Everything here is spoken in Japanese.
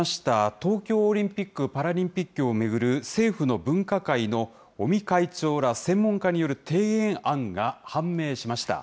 東京オリンピック・パラリンピックを巡る政府の分科会の尾身会長ら専門家による提言案が判明しました。